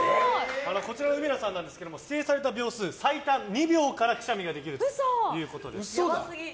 こちらの海野さん指定された秒数最短２秒からくしゃみができるということです。